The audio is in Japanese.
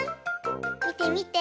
みてみて。